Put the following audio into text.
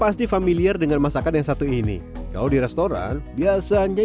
sampai jumpa di video selanjutnya